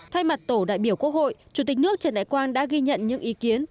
thay mặt tổ đại biểu quốc hội chủ tịch nước trần đại quang đã ghi nhận những ý kiến